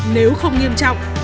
nếu không nghiêm trọng